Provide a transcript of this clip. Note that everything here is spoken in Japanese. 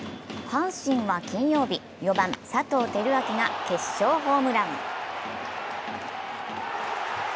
阪神は金曜日、４番・佐藤輝明が決勝ホームラン。